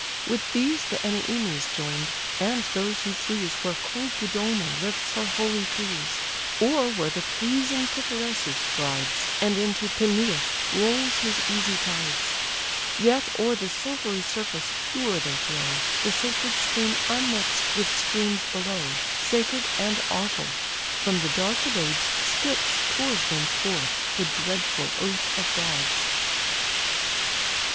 With these the Enians join'd, and those who freeze Where cold Dodona lifts her holy trees; Or where the pleasing Titaresius glides, And into Peneus rolls his easy tides; Yet o'er the silvery surface pure they flow, The sacred stream unmix'd with streams below, Sacred and awful! from the dark abodes Styx pours them forth, the dreadful oath of gods!